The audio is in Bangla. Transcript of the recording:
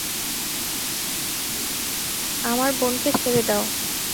আমার বোনকে ছেড়ে দাও।